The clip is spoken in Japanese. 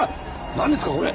なんですか！？これ。